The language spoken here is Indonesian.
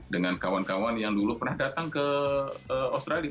dengan kawan kawan yang dulu pernah datang ke australia